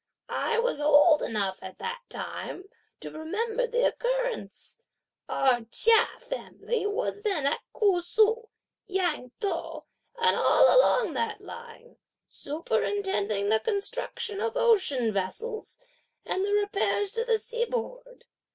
I was old enough at that time to remember the occurrence! Our Chia family was then at Ku Su, Yangchow and all along that line, superintending the construction of ocean vessels, and the repairs to the seaboard.